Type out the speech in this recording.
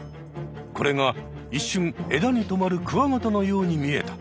これが一瞬枝にとまるクワガタのように見えた。